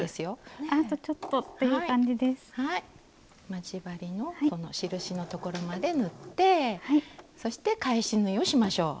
待ち針の印のところまで縫ってそして返し縫いをしましょう。